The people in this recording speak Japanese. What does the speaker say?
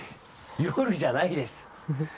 夜じゃないです。